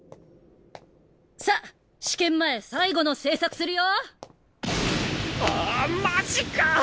さっ試験前最後の制作するよ。